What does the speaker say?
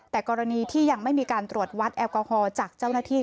แต่กรณีที่ยังไม่มีการตรวจวัดแอลกอฮอลจากเจ้าหน้าที่